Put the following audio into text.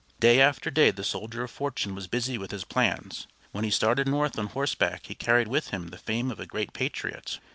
Day after day the soldier of fortune was busy with his plans. When he started north on horseback he carried with him the fame of a great patriot.